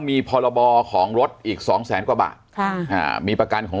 มีพรบของรถอีกสองแสนกว่าบาทค่ะอ่ามีประกันของ